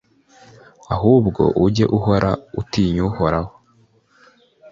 ahubwo ujye uhora utinya uhoraho